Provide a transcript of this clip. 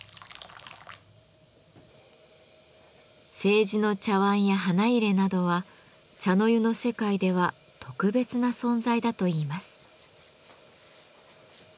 青磁の茶碗や花入などは茶の湯の世界では特別な存在だといいます。